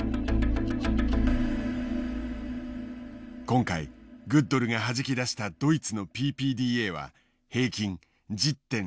今回グッドルがはじき出したドイツのＰＰＤＡは平均１０．０７。